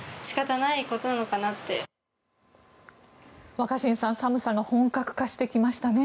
若新さん寒さが本格化してきましたね。